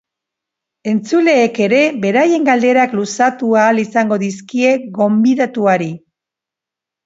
Entzuleek ere beraien galderak luzatu ahal izango dizkie gonbidatuari.